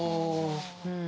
うん。